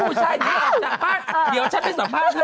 ผู้ชายเดี๋ยวฉันไปสัมภาษณ์ให้